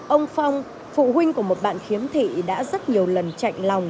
ông phong phụ huynh của một bạn khiếm thị đã rất nhiều lần chạy lòng